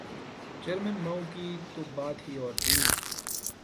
Chairman Mao کی تو بات ہی اور تھی۔